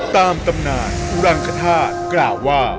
ตำนานอุรังคธาตุกล่าวว่า